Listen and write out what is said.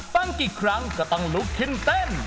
ฟังกี่ครั้งก็ต้องลุกขึ้นเต้น